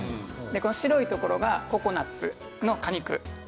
白いところがココナツの果肉です。